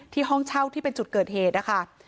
ห้องเช่าที่เป็นจุดเกิดเหตุนะคะ